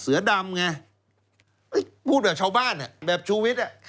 เสือดำไงพูดแบบชาวบ้านเนี่ย